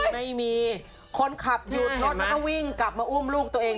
ไม่มีคนขับอยู่รถก็ก็วิ่งกลับเอ้าลูกตัวเอง